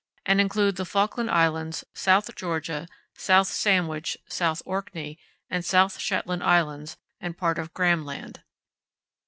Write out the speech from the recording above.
and include the Falkland Islands, South Georgia, South Sandwich, South Orkney, and South Shetland Islands, and part of Graham Land.